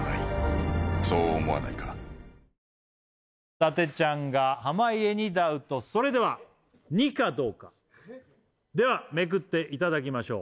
伊達ちゃんが濱家にダウトそれではではめくっていただきましょう